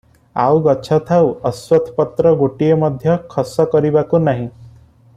ଆଉ ଗଛ ଥାଉ, ଅଶ୍ୱତ୍ଥପତ୍ର ଗୋଟିଏ ମଧ୍ୟ ଖସ କରିବାକୁ ନାହିଁ ।